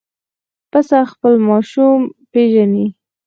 پسه خپل ماشوم پېژني.